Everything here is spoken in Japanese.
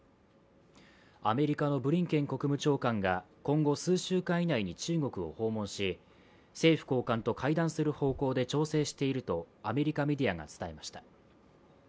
アメリカのブリンケン国務長官が今後数週間以内に中国を訪問し政府高官と会談する方向で調整しているとアメリカメディアが伝えました。